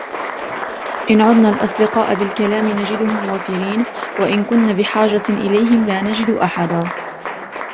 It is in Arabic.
إن عدنا الاصدقاء بالكلام نجدهم وفرون، و إن كنا بحاجة إليهم لا نجد احدا!